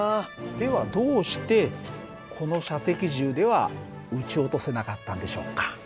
ではどうしてこの射的銃では撃ち落とせなかったんでしょうか？